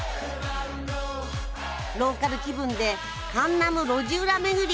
ローカル気分でカンナム路地裏巡り。